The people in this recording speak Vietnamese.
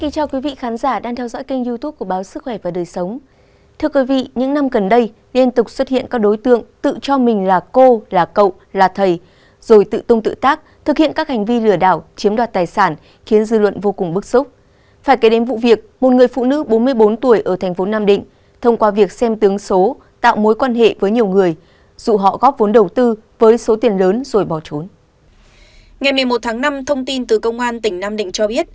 các bạn hãy đăng ký kênh để ủng hộ kênh của chúng mình nhé